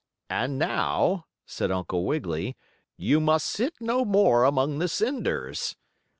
"And now," said Uncle Wiggily, "you must sit no more among the cinders."